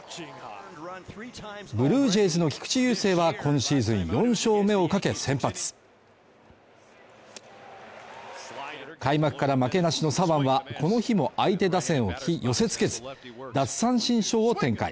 ブルージェイズの菊池雄星は今シーズン４勝目をかけ先発開幕から負けなしの左腕はこの日も相手打線をよせつけず奪三振ショーを展開。